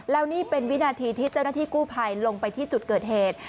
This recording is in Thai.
แล้วนี่เป็นวินาทีที่เจ้าหน้าที่กู้ภัยลงไปที่จุดเกิดเหตุ